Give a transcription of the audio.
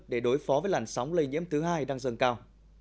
để đối phó với làn sóng lây nhiễm thứ hai đang dần cao